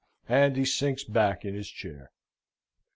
and he sinks back in his chair.